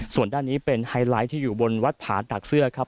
ส่วนด้านนี้เป็นไฮไลท์ที่อยู่บนวัดผาตักเสื้อครับ